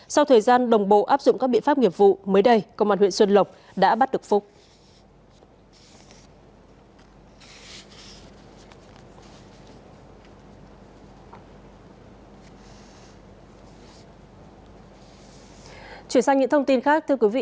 sau thời gian đồng bộ áp dụng các biện pháp nghiệp vụ mới đây công an huyện xuân lộc đã bắt được phúc